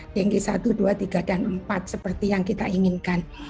dengki satu dua tiga dan empat seperti yang kita inginkan